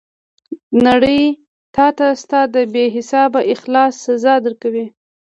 نړۍ تاته ستا د بې حسابه اخلاص سزا درکوي.